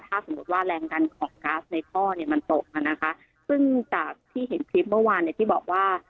ถ้าสมมุติว่าแรงดันของก๊าซในท่อเนี่ยมันตกอ่ะนะคะซึ่งจากที่เห็นคลิปเมื่อวานเนี่ยที่บอกว่า